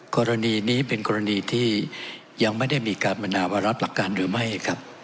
กรณีนี้เป็นกรณีที่ยังไม่ได้มีการบรรณาว่ารับหลักการหรือไม่ครับ